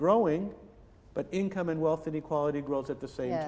tetapi keuntungan dan keadilan keuntungan tumbuh pada saat yang sama